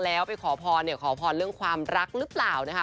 แล้วไปขอพรเนี่ยขอพรเรื่องความรักหรือเปล่านะคะ